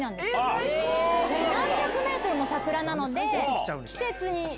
何百ｍも桜なので。